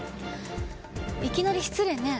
いきなり失礼ね。